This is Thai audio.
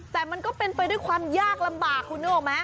แต่มันก็เป็นไปด้วยความยากลำบากคุณนึกออกไหม